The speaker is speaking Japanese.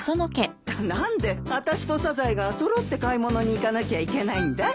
何であたしとサザエが揃って買い物に行かなきゃいけないんだい？